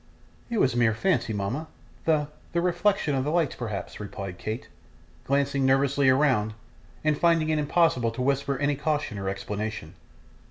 'It was mere fancy, mama, the the reflection of the lights perhaps,' replied Kate, glancing nervously round, and finding it impossible to whisper any caution or explanation.